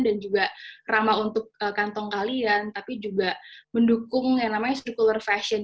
dan juga ramah untuk kantong kalian tapi juga mendukung yang namanya circular fashion